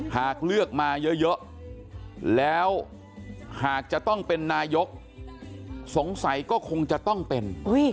หากเลือกมาเยอะแล้วหากจะต้องเป็นนายกสงสัยก็คงจะต้องเป็น